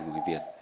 của người việt